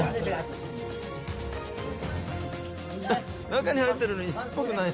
中に入ってるの石っぽくない？